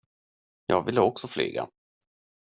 Jag ville också flyga.